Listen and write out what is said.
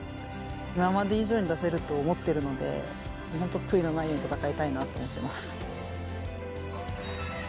今まで以上に出せると思っているので、本当、悔いがないように戦いたいなと思ってます。